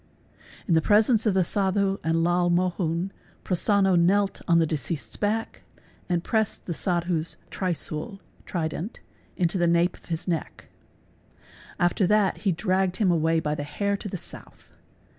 In the presence of the Sadhu and Lal Mohun, Prosonno knelt on the . deceased' s back and pressed the Sadhu's ¢riswl (trident) into the nape of his neck. After that he dragged him away by the hair to the south.